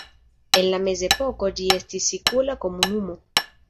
En la mezepoko ĝi estis sikula komunumo.